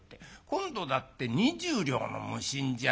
今度だって２０両の無心じゃないか。